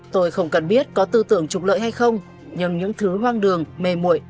tôi không cần biết có tư tưởng trục lợi hay không nhưng những thứ hoang đường mềm mội